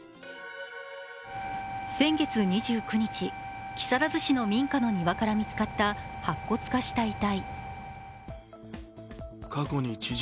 先月２９日、木更津市の民家の庭から見つかった白骨化した遺体。